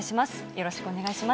よろしくお願いします。